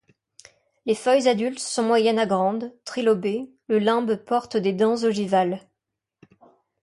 Les feuilles adultes sont moyenne à grande, trilobées, le limbe porte des dents ogivales.